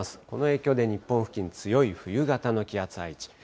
この影響で日本付近、強い冬型の気圧配置。